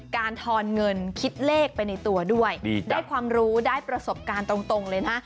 ทอนเงินคิดเลขไปในตัวด้วยได้ความรู้ได้ประสบการณ์ตรงเลยนะ